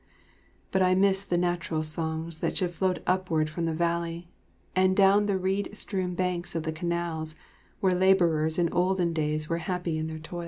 But I miss the natural songs that should float upward from the valley, and down the reed strewn banks of the canals, where labourers in olden days were happy in their toil.